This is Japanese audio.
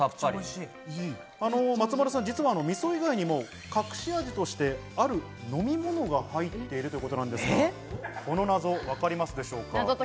松丸さん、みそ以外にも隠し味としてある飲み物が入っているということなんですが、この謎、わかりますでしょうか？